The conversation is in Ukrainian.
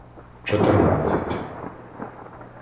Чотирнадцять